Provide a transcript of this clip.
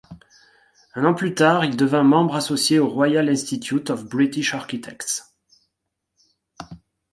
Un an plus tard, il devint membre associé du Royal Institute of British Architects.